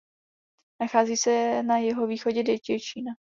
Nachází se na jihovýchodě Děčína.